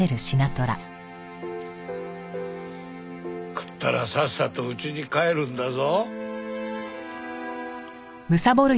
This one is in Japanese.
食ったらさっさと家に帰るんだぞ。